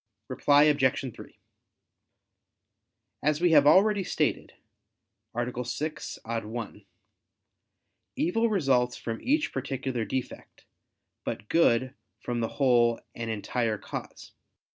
Reply Obj. 3: As we have already stated (A. 6, ad 1), "evil results from each particular defect, but good from the whole and entire cause."